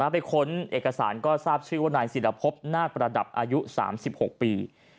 ค้นเอกสารก็ทราบชื่อว่านายศิรพบนาคประดับอายุ๓๖ปี